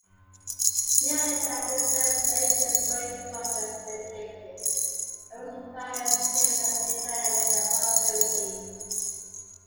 Middletown preserves many historic structures indicative of its various periods of development and prosperity.